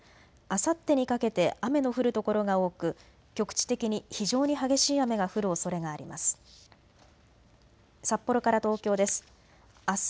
あさってにかけて雨の降る所が多く、局地的に非常に激しい雨が降るおそれがあります。